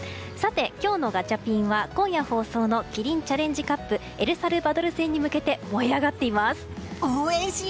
今日のガチャピンは、今夜放送のキリンチャレンジカップエルサルバドル戦に向けて盛り上がっています。